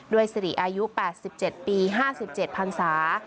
สิริอายุ๘๗ปี๕๗พันศา